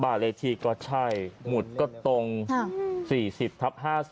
เลขที่ก็ใช่หมุดก็ตรง๔๐ทับ๕๐